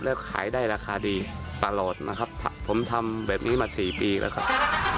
แล้วขายได้ราคาดีตลอดนะครับผมทำแบบนี้มาสี่ปีแล้วครับ